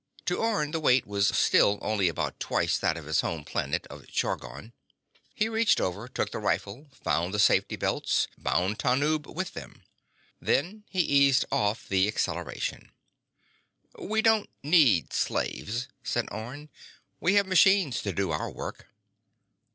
To Orne, the weight was still only about twice that of his home planet of Chargon. He reached over, took the rifle, found safety belts, bound Tanub with them. Then he eased off the acceleration. "We don't need slaves," said Orne. "We have machines to do our work.